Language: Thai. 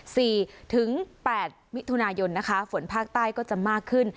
ถึงแปดมิถุนายนนะคะฝนภาคใต้ก็จะมากขึ้น